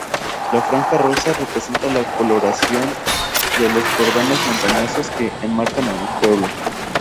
La franja "Rosa", representa la coloración de los cordones montañosos que enmarcan el Pueblo.